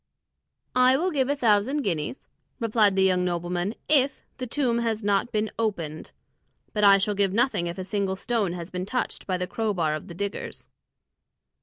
"I will give a thousand guineas," replied the young nobleman, "if the tomb has not been opened; but I shall give nothing if a single stone has been touched by the crow bar of the diggers."